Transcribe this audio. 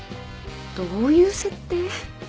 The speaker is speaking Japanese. どういう設定？